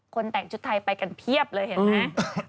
แต่งชุดไทยไปกันเพียบเลยเห็นไหม